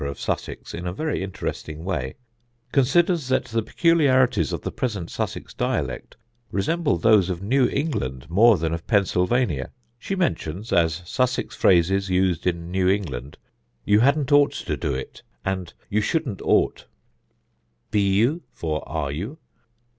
of Sussex in a very interesting way), considers that the peculiarities of the present Sussex dialect resemble those of New England more than of Pennsylvania. She mentions as Sussex phrases used in New England 'You hadn't ought to do it,' and 'You shouldn't ought'; 'Be you'? for 'Are you'?